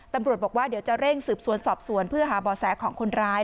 ตำรวจบอกว่าเดี๋ยวจะเร่งสืบสวนสอบสวนเพื่อหาบ่อแสของคนร้าย